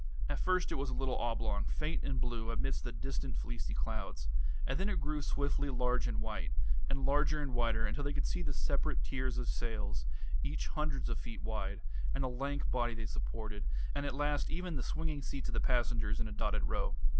At first it was a little oblong, faint and blue amidst the distant fleecy clouds; and then it grew swiftly large and white, and larger and whiter, until they could see the separate tiers of sails, each hundreds of feet wide, and the lank body they supported, and at last even the swinging seats of the passengers in a dotted row.